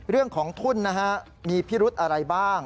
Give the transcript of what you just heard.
เรื่องของทุ่นมีพิรุษอะไรบ้าง